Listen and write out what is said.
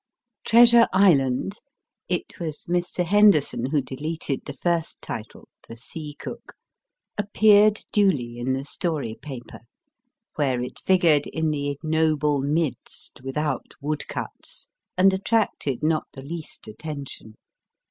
Treasure Island it was Mr. Henderson who deleted the first title, The Sea Cook appeared duly in the story paper, where it figured in the ignoble midst, without woodcuts, and attracted not the least attention.